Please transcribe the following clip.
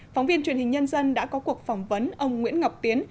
phóng viên truyền hình nhân dân đã có cuộc phỏng vấn ông nguyễn ngọc tiến